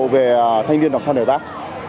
về thanh niên đọc thang đời bác